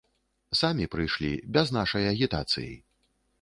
Самі прыйшлі, без нашай агітацыі.